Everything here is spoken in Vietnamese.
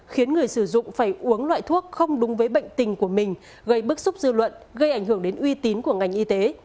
khiến người sử dụng phải uống loại thuốc không đúng với bệnh tình của mình gây bức xúc dư luận gây ảnh hưởng đến uy tín của ngành y tế